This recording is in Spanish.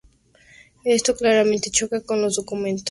Esto claramente choca con los documentos históricos.